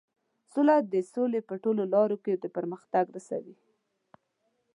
سوله د سولې په ټولو لارو د پرمختګ ته رسوي.